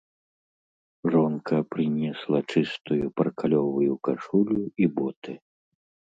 Жонка прынесла чыстую паркалёвую кашулю і боты.